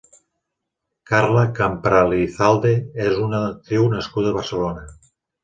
Carla Campralizalde és una actriu nascuda a Barcelona.